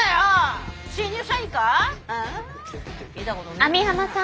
網浜さん。